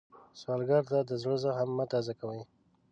سوالګر ته د زړه زخم مه تازه کوئ